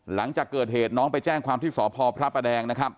หลังจากเกิดเหตุน้องไปแจ้งความที่สพพระประแดงนะครับ